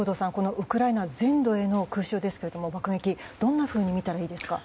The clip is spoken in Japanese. ウクライナ全土への空襲ですがどんなふうに見たらいいですか？